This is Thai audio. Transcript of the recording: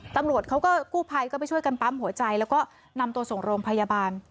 ตำรวจเขาก็กู้ภัยก็ไปช่วยกันปั๊มหัวใจแล้วก็นำตัวส่งโรงพยาบาล